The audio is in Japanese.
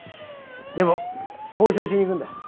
でも交渉しに行くんだ。